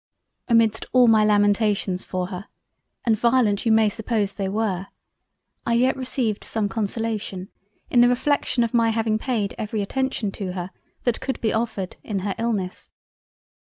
Amidst all my Lamentations for her (and violent you may suppose they were) I yet received some consolation in the reflection of my having paid every attention to her, that could be offered, in her illness.